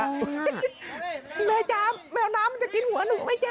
แม่จ๊ะแมวน้ำมันจะกินหัวหนูไหมจ๊